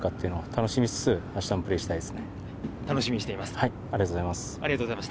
◆楽しみにしています。